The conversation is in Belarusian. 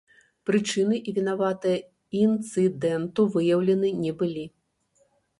Прычыны і вінаватыя інцыдэнту выяўлены не былі.